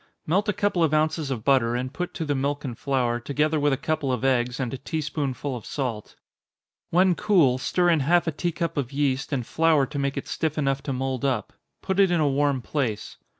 Melt a couple of ounces of butter, and put to the milk and flour, together with a couple of eggs, and a tea spoonful of salt. When cool, stir in half a tea cup of yeast, and flour to make it stiff enough to mould up. Put it in a warm place.